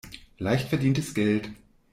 Leicht verdientes Geld.